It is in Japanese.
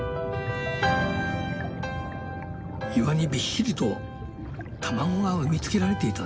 岩にびっしりと卵が産み付けられていたんです。